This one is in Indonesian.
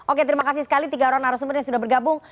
oke terima kasih sekali tiga orang narasumber yang sudah bergabung